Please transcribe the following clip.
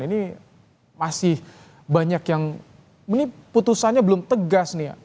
ini masih banyak yang ini putusannya belum tegas nih